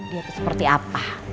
dia tuh seperti apa